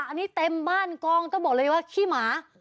อันนี้เต็มบ้านกองต้องบอกเลยว่าขี้หมา